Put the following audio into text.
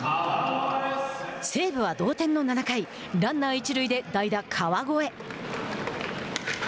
西武は同点の７回ランナー一塁で代打川越。